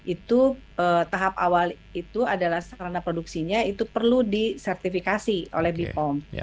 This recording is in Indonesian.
itu tahap awal itu adalah sarana produksinya itu perlu disertifikasi oleh bepom